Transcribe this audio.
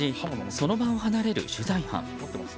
その場を離れる取材班。